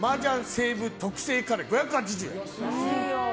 西武特製カレー、５８０円。